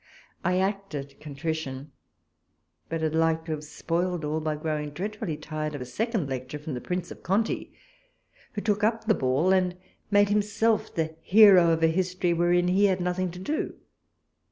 I acted contrition, but had liked to have spoiled all, by growing dreadfully tired of a second lecture from the Prince of Conti, who took up the ball, and made himself the hero of a history wherein he had nothing to do.